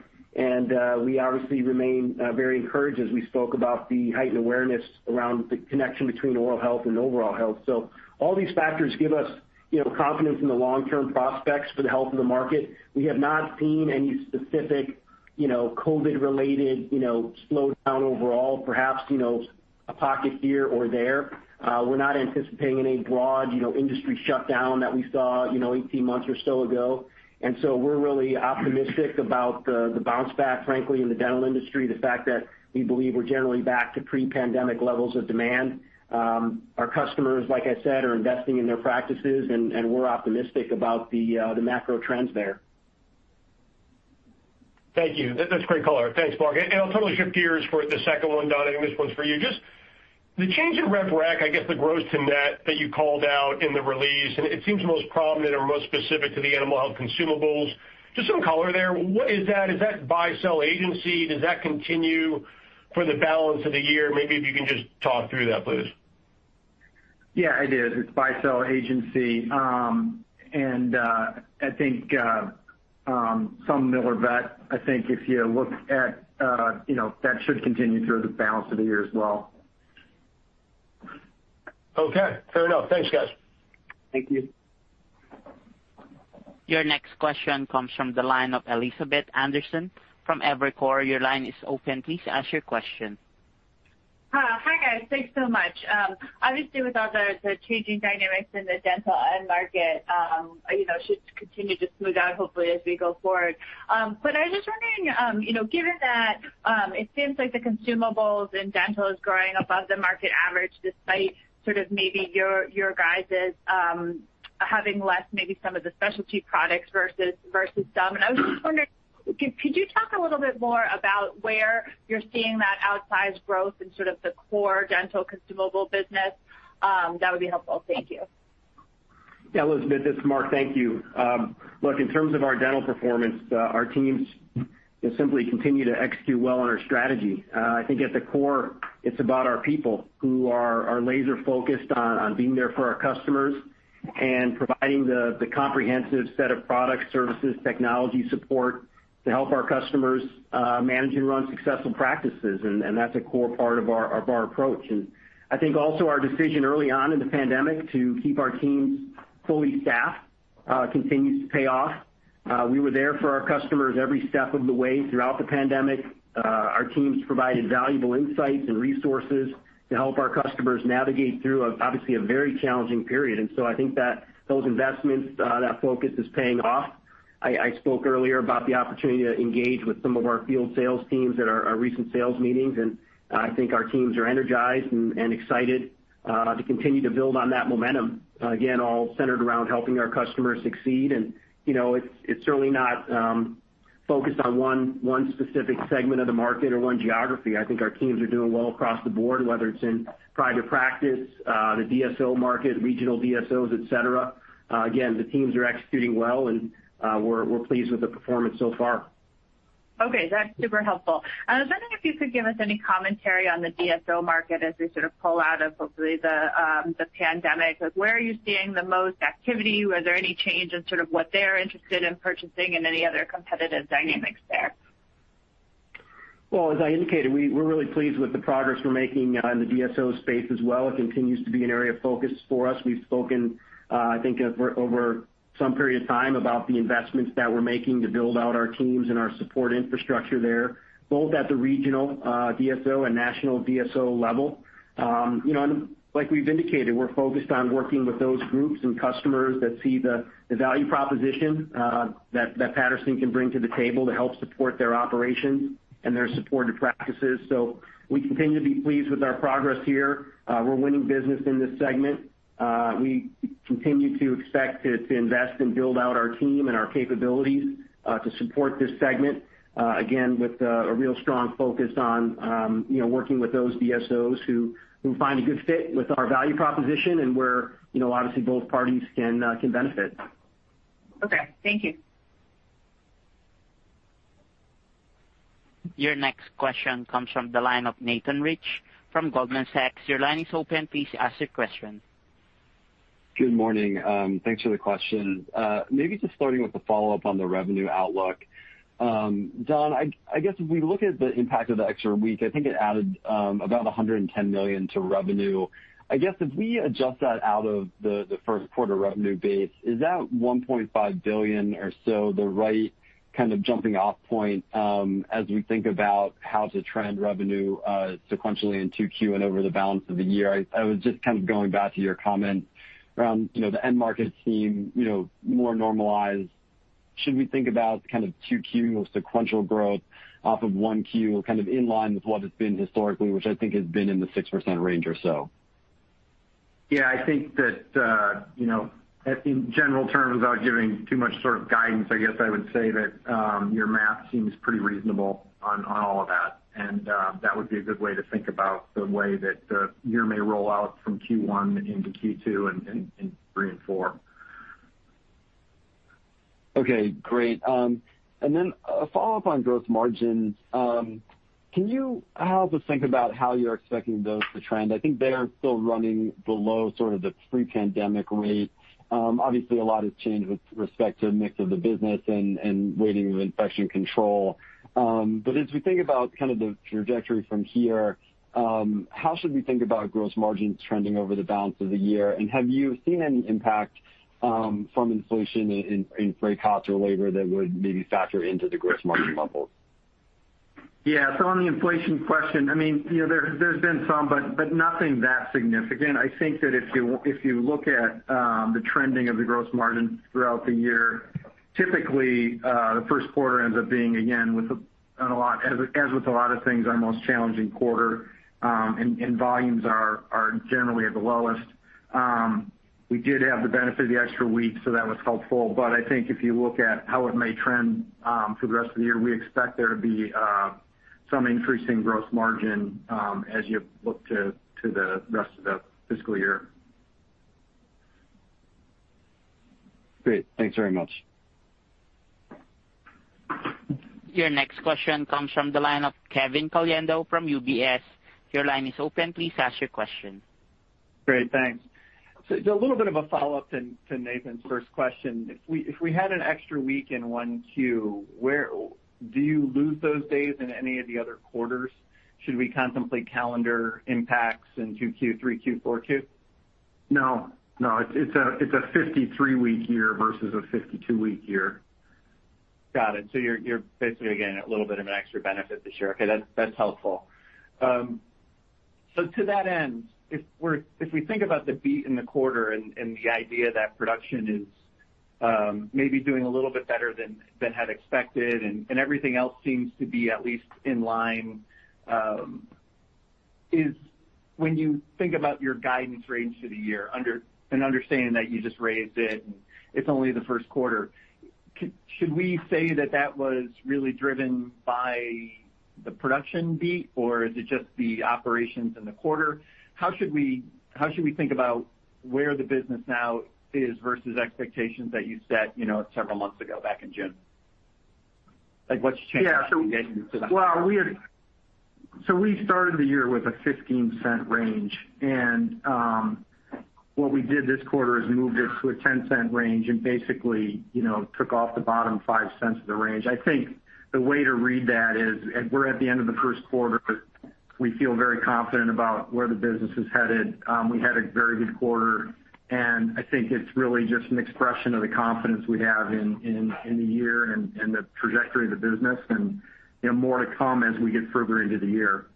We obviously remain very encouraged as we spoke about the heightened awareness around the connection between oral health and overall health. All these factors give us confidence in the long-term prospects for the health of the market. We have not seen any specific COVID-related slowdown overall. Perhaps, a pocket here or there. We're not anticipating any broad industry shutdown that we saw 18 months or so ago. We're really optimistic about the bounce back, frankly, in the dental industry, the fact that we believe we're generally back to pre-pandemic levels of demand. Our customers, like I said, are investing in their practices, and we're optimistic about the macro trends there. Thank you. That's great color. Thanks, Mark. I'll totally shift gears for the second one, Don. I think this one's for you. Just the change in revenue recognition, I guess the gross to net that you called out in the release, it seems most prominent or most specific to the animal health consumables. Just some color there. What is that? Is that buy-sell agency? Does that continue for the balance of the year? Maybe if you can just talk through that, please. Yeah, it is. It's buy-sell agency. I think some Miller Vet, that should continue through the balance of the year as well. Okay, fair enough. Thanks, guys. Thank you. Your next question comes from the line of Elizabeth Anderson from Evercore. Your line is open. Please ask your question. Hi, guys. Thanks so much. Obviously, with all the changing dynamics in the dental end market, should continue to smooth out hopefully as we go forward. I was just wondering, given that it seems like the consumables in dental is growing above the market average, despite sort of maybe your guys having less, maybe some of the specialty products versus some. I was just wondering, could you talk a little bit more about where you're seeing that outsized growth in sort of the core dental consumable business? That would be helpful. Thank you. Yeah, Elizabeth, this is Mark. Thank you. Look, in terms of our dental performance, our teams just simply continue to execute well on our strategy. I think at the core, it's about our people who are laser focused on being there for our customers and providing the comprehensive set of product services, technology support to help our customers manage and run successful practices. That's a core part of our approach. I think also our decision early on in the pandemic to keep our teams fully staffed continues to pay off. We were there for our customers every step of the way throughout the pandemic. Our teams provided valuable insights and resources to help our customers navigate through, obviously, a very challenging period. I think that those investments, that focus is paying off. I spoke earlier about the opportunity to engage with some of our field sales teams at our recent sales meetings, and I think our teams are energized and excited to continue to build on that momentum. Again, all centered around helping our customers succeed. It's certainly not focused on one specific segment of the market or one geography. I think our teams are doing well across the board, whether it's in private practice, the DSO market, regional DSOs, et cetera. Again, the teams are executing well, and we're pleased with the performance so far. Okay, that's super helpful. I was wondering if you could give us any commentary on the DSO market as we sort of pull out of, hopefully, the pandemic. Where are you seeing the most activity? Was there any change in sort of what they're interested in purchasing and any other competitive dynamics there? Well, as I indicated, we're really pleased with the progress we're making on the DSO space as well. It continues to be an area of focus for us. We've spoken, I think over some period of time, about the investments that we're making to build out our teams and our support infrastructure there, both at the regional DSO and national DSO level. Like we've indicated, we're focused on working with those groups and customers that see the value proposition that Patterson can bring to the table to help support their operations and their supported practices. We continue to be pleased with our progress here. We're winning business in this segment. We continue to expect to invest and build out our team and our capabilities to support this segment. Again, with a real strong focus on working with those DSOs who find a good fit with our value proposition and where obviously both parties can benefit. Okay. Thank you. Your next question comes from the line of Nathan Rich from Goldman Sachs. Your line is open. Please ask your question. Good morning. Thanks for the question. Maybe just starting with the follow-up on the revenue outlook. Don, I guess if we look at the impact of the extra week, I think it added about $110 million to revenue. I guess if we adjust that out of the first quarter revenue base, is that $1.5 billion or so the right kind of jumping off point as we think about how to trend revenue sequentially in 2Q and over the balance of the year? I was just kind of going back to your comment around the end market seem more normalized. Should we think about kind of 2Q with sequential growth off of 1Q kind of in line with what it's been historically, which I think has been in the 6% range or so? Yeah, I think that in general terms, without giving too much sort of guidance, I guess I would say that your math seems pretty reasonable on all of that. That would be a good way to think about the way that the year may roll out from Q1 into Q2 and three and four. Okay, great. Then a follow-up on gross margin. Can you help us think about how you're expecting those to trend? I think they're still running below sort of the pre-pandemic rate. Obviously, a lot has changed with respect to the mix of the business and weighting of infection control. As we think about kind of the trajectory from here, how should we think about gross margins trending over the balance of the year? Have you seen any impact from inflation in freight costs or labor that would maybe factor into the gross margin levels? On the inflation question, there's been some, but nothing that significant. I think that if you look at the trending of the gross margin throughout the year, typically, the first quarter ends up being, again, as with a lot of things, our most challenging quarter, and volumes are generally at the lowest. We did have the benefit of the extra week, so that was helpful. I think if you look at how it may trend for the rest of the year, we expect there to be some increasing gross margin as you look to the rest of the fiscal year. Great. Thanks very much. Your next question comes from the line of Kevin Caliendo from UBS. Your line is open. Please ask your question. Great. Thanks. A little bit of a follow-up to Nathan's first question. If we had an extra week in 1Q, do you lose those days in any of the other quarters? Should we contemplate calendar impacts in Q2, Q3, Q4? No. It's a 53-week year versus a 52-week year. Got it. You're basically getting a little bit of an extra benefit this year. Okay, that's helpful. To that end, if we think about the beat in the quarter and the idea that production is maybe doing a little bit better than had expected, and everything else seems to be at least in line, when you think about your guidance range for the year, and understanding that you just raised it and it's only the first quarter, should we say that that was really driven by the production beat, or is it just the operations in the quarter? How should we think about where the business now is versus expectations that you set several months ago back in June? What's changed? Yeah. Since then? We started the year with a $0.15 range. What we did this quarter is moved it to a $0.10 range and basically took off the bottom $0.05 of the range. I think the way to read that is we're at the end of the 1st quarter. We feel very confident about where the business is headed. We had a very good quarter, and I think it's really just an expression of the confidence we have in the year and the trajectory of the business and more to come as we get further into the year.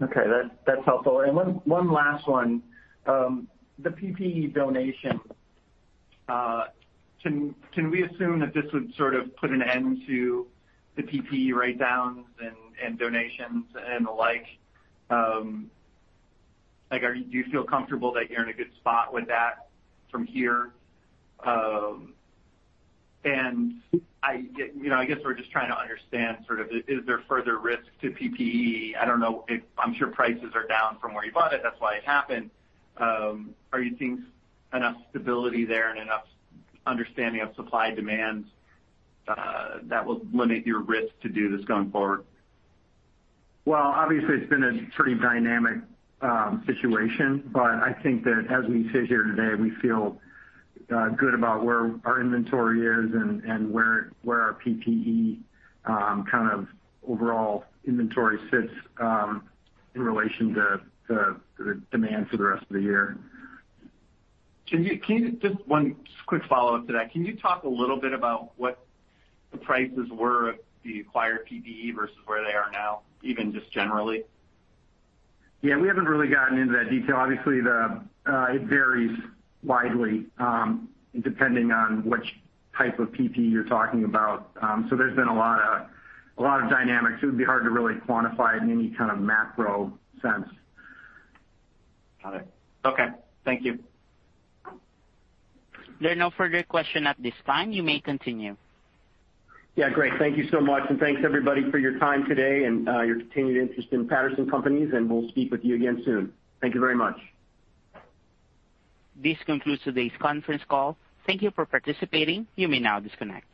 Okay. That's helpful. One last one. The PPE donation, can we assume that this would sort of put an end to the PPE write-downs and donations and the like? Do you feel comfortable that you're in a good spot with that from here? I guess we're just trying to understand sort of is there further risk to PPE? I'm sure prices are down from where you bought it, that's why it happened. Are you seeing enough stability there and enough understanding of supply-demand that will limit your risk to do this going forward? Well, obviously, it's been a pretty dynamic situation. I think that as we sit here today, we feel good about where our inventory is and where our PPE kind of overall inventory sits in relation to the demand for the rest of the year. Just one quick follow-up to that. Can you talk a little bit about what the prices were of the acquired PPE versus where they are now, even just generally? Yeah, we haven't really gotten into that detail. Obviously, it varies widely depending on which type of PPE you're talking about. There's been a lot of dynamics. It would be hard to really quantify it in any kind of macro sense. Got it. Okay. Thank you. There are no further questions at this time. You may continue. Yeah, great. Thank you so much, and thanks everybody for your time today and your continued interest in Patterson Companies, and we'll speak with you again soon. Thank you very much. This concludes today's conference call. Thank You for participating. You may now disconnect.